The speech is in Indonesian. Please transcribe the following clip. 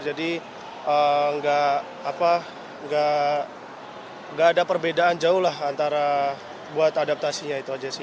jadi gak ada perbedaan jauh lah buat adaptasinya itu aja sih